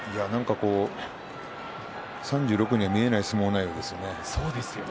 ３６には見えない相撲内容ですよね。